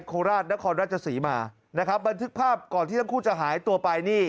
โคราชนครราชศรีมานะครับบันทึกภาพก่อนที่ทั้งคู่จะหายตัวไปนี่